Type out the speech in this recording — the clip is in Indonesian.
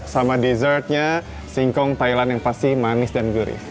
sama dessertnya singkong thailand yang pasti manis dan gurih